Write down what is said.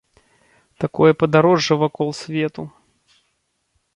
Такое падарожжа вакол свету.